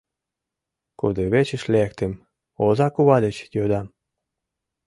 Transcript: Кудывечыш лектым, озакува деч йодам: